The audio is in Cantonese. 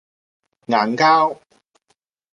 硬膠